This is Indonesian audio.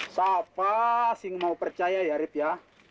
siapa sih yang mau percaya ya rip ya